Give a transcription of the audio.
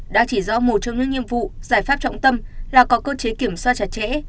đã chỉ rõ một trong những nhiệm vụ giải pháp trọng tâm là có cơ chế kiểm soát chặt chẽ